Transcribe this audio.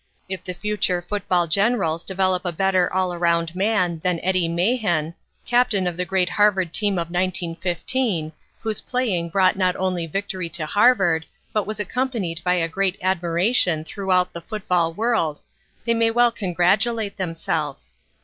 If the future football generals develop a better all around man than Eddie Mahan, captain of the great Harvard team of 1915, whose playing brought not only victory to Harvard but was accompanied by great admiration throughout the football world, they may well congratulate themselves.